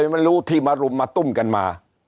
ไม่รู้ที่มารุมมาตุ้มกันมา